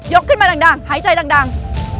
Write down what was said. ขึ้นมาดังหายใจดัง